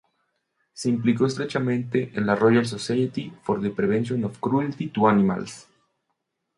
Se implicó estrechamente en la Royal Society for the Prevention of Cruelty to Animals.